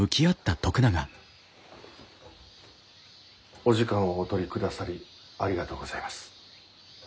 お時間をお取りくださりありがとうございます。